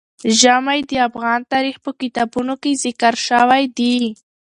ژمی د افغان تاریخ په کتابونو کې ذکر شوی دي.